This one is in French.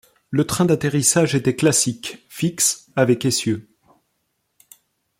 Le train d’atterrissage était classique, fixe avec essieu.